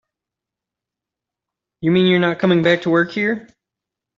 You mean you're not coming back to work here?